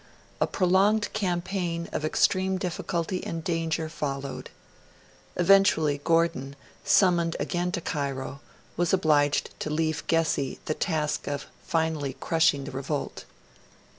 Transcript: A prolonged campaign of extreme difficulty and danger followed. Eventually, Gordon, summoned again to Cairo, was obliged to leave to Gessi the task of finally crushing the revolt.